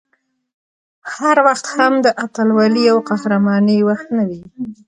هر وخت هم د اتلولۍ او قهرمانۍ وخت نه وي